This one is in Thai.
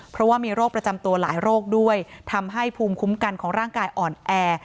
เพราะว่ามีโรคประจำตัวหลายโรคด้วยทำให้ภูมิคุ้มกันของร่างกายอ่อนแอ